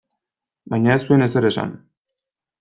Baina ez zuen ezer esan.